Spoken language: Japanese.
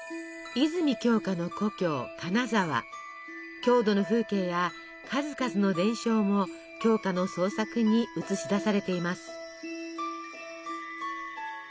郷土の風景や数々の伝承も鏡花の創作に映し出されています。